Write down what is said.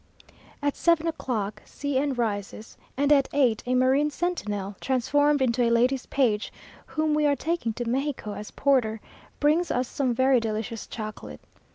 At seven o'clock C n rises, and at eight, a marine sentinel, transformed into a lady's page, whom we are taking to Mexico as porter, brings us some very delicious chocolate.